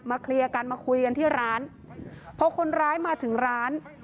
เคลียร์กันมาคุยกันที่ร้านพอคนร้ายมาถึงร้าน